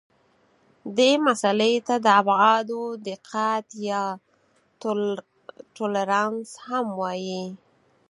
دې مسئلې ته د ابعادو دقت یا تولرانس هم وایي.